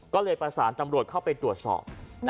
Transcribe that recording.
ก็เลยประสานตำรวจเข้าไปตรวจสอบ